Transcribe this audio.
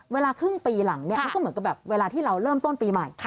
เวลาครึ่งปีหลังเนี่ยมันก็เหมือนกับแบบเวลาที่เราเริ่มต้นปีใหม่